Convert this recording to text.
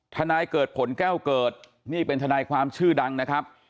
นายเกิดผลแก้วเกิดนี่เป็นทนายความชื่อดังนะครับ